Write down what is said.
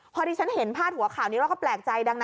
พอดีฉันเห็นพาดหัวข่าวนี้เราก็แปลกใจดังนะ